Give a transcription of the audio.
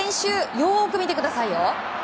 よーく見ててくださいよ。